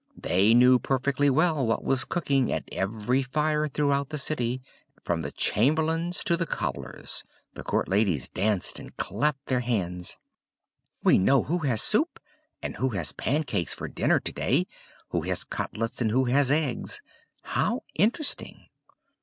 They knew perfectly well what was cooking at every fire throughout the city, from the chamberlain's to the cobbler's; the court ladies danced and clapped their hands. "We know who has soup, and who has pancakes for dinner to day, who has cutlets, and who has eggs. How interesting!"